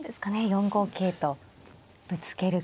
４五桂とぶつけるか。